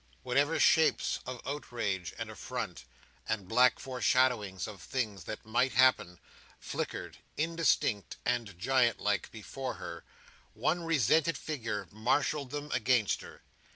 Whatever shapes of outrage and affront, and black foreshadowings of things that might happen, flickered, indistinct and giant like, before her, one resented figure marshalled them against her.